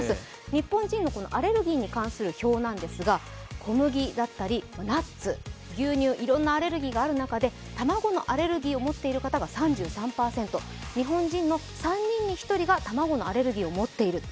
日本人のアレルギーに関する表なんですが、小麦だったりナッツ、牛乳、いろんなアレルギーがある中で卵のアレルギーを持っている方が３３％、日本人の３人に１人が卵のアレルギーを持っていると。